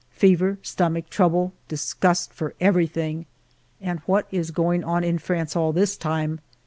Fever, stomach trouble, disgust for everything. And what is going on in France all this time